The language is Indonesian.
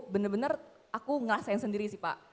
bener bener aku ngerasain sendiri sih pak